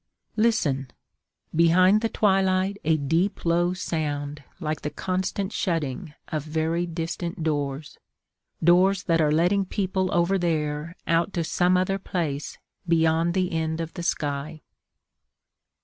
Listen! Behind the twilight a deep, low sound Like the constant shutting of very distant doors. Doors that are letting people over there Out to some other place beyond the end of the sky.